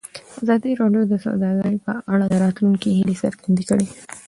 ازادي راډیو د سوداګري په اړه د راتلونکي هیلې څرګندې کړې.